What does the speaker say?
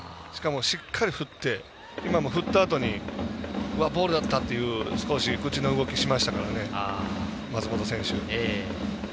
しっかり振って、振ったあとにボールだったという口の動きを今しましたけれども松本選手。